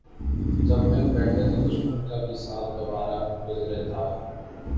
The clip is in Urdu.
جب مل بیٹھے تو دشمن کا بھی ساتھ گوارا گزرے تھا